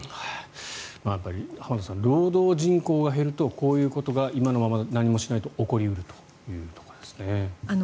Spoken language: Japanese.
やっぱり浜田さん労働人口が減るとこういうことが今のまま何もしないと起こり得るというところですね。